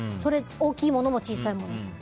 大きいものも小さいものも。